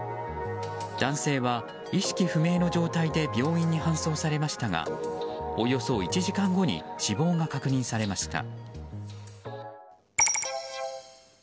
男性は意識不明の状態で病院に搬送されましたがおよそ１時間後に死亡が確認されました。